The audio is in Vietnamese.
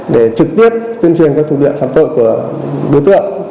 để trực tiếp tuyên truyền các thủ đoạn phạm tội của đối tượng